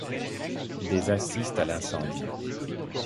Des assistent à l'incendie.